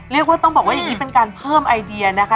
เรียกว่าต้องบอกว่าอย่างนี้เป็นการเพิ่มไอเดียนะคะ